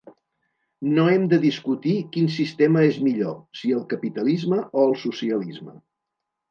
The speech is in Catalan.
No hem de discutir quin sistema és millor, si el capitalisme o el socialisme.